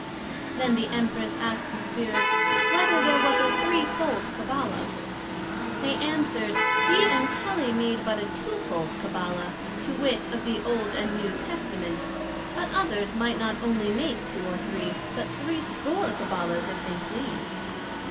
Then the Empress asked the Spirits, Whether there was a threefold Cabbala? They answered, Dee and Kelly made but a two fold Cabbala, to wit, of the Old and New Testament, but others might not onely make two or three, but threescore Cabbala's, if they pleased.